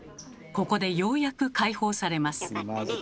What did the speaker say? ここでようやく解放されます。